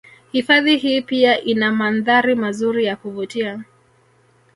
Hifadhi hii pia ina mandhari mazuri ya kuvutia